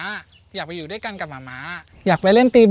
จนถึงวันนี้มาม้ามีเงิน๔ปี